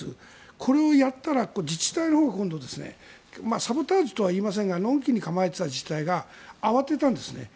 これをやったら自治体のほうが今度、サボタージュとは言いませんがのんきに構えていた自治体が慌てたんですね。